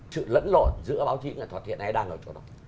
sự lẫn lộn giữa báo chí nghệ thuật hiện nay đang ở chỗ đó